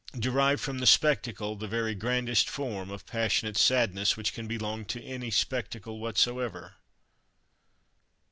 derive from the spectacle the very grandest form of passionate sadness which can belong to any spectacle whatsoever."